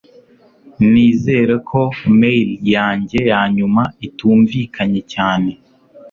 Nizere ko mail yanjye yanyuma itumvikanye cyane